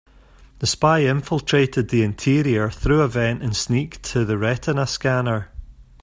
The spy infiltrated the interior through a vent and sneaked to the retina scanner.